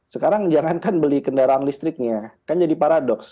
sekarang jangankan beli kendaraan listriknya kan jadi paradoks